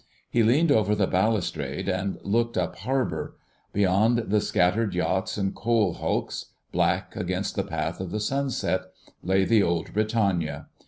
He leaned over the balustrade and looked up harbour; beyond the scattered yachts and coal hulks, black against the path of the sunset, lay the old Britannia.